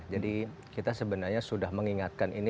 jadi kita sebenarnya sudah mengingatkan ini